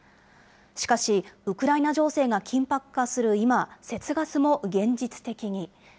しかしウクライナ情勢が緊迫化する今、節ガスも現実的に。